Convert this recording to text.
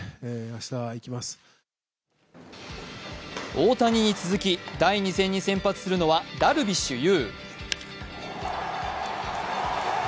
大谷に続き第２戦に先発するのはダルビッシュ有。